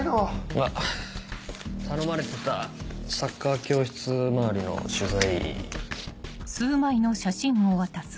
あっ頼まれてたサッカー教室周りの取材。